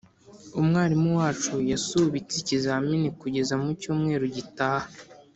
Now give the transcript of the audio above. umwarimu wacu yasubitse ikizamini kugeza mu cyumweru gitaha.